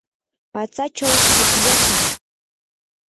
patsachaw pukllashun.